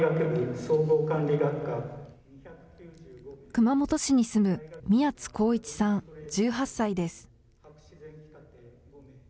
熊本市に住む宮津航一さん１８歳です。